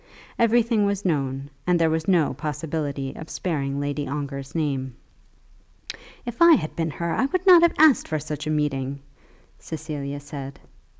Everything was known, and there was no possibility of sparing Lady Ongar's name. "If I had been her I would not have asked for such a meeting," Cecilia said.